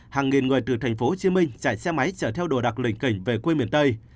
hàng nghìn người từ tp hcm chạy xe máy chở theo đồ đạc lệnh cảnh về quê miền tây